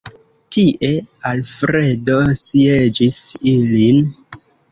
Tie Alfredo sieĝis ilin.